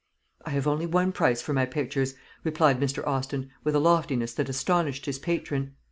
"I have only one price for my pictures," replied Mr. Austin, with a loftiness that astonished his patron.